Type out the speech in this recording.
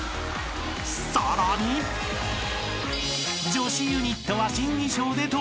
［女子ユニットは新衣装で登場！］